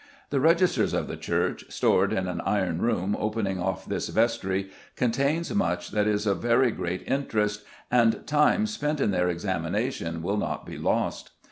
The registers of the church, stored in an iron room opening off this vestry, contain much that is of very great interest, and time spent in their examination will not be lost.